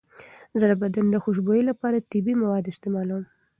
زه د بدن د خوشبویۍ لپاره طبیعي مواد استعمالوم.